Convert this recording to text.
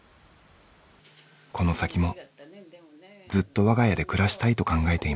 この先もずっと我が家で暮らしたいと考えています。